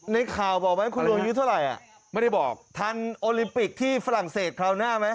ในข่าวบอกไหมคุณลุงอายุเท่าไหร่ไม่ได้บอกทันโอลิมปิกที่ฝรั่งเศสคราวหน้าไหม